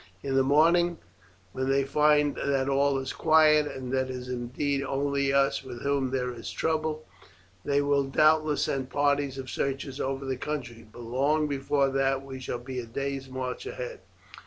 In the morning, when they find that all is quiet, and that it is indeed only us with whom there is trouble, they will doubtless send parties of searchers over the country; but long before that we shall be a day's march ahead.